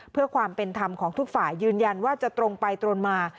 เพื่อความเป็นธรรมของทุกฝ่ายยืนยันว่าจะตรงไปตรงมา